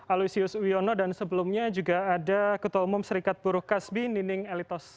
alusius wiono dan sebelumnya juga ada ketua umum serikat buruh kasbi nining elitos